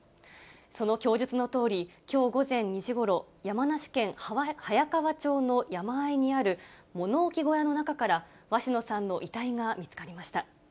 その供述のとおり、きょう午前２時ごろ、山梨県早川町の山あいにある物置小屋の中から、鷲野さんの遺体が見つかりました。